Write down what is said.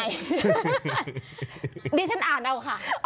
คุณฟังรู้เรื่องได้ยังไง